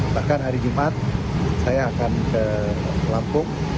bahkan hari jumat saya akan ke lampung